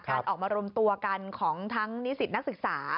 การออกมารวมตัวกันของทั้งนิสิตนักศึกษา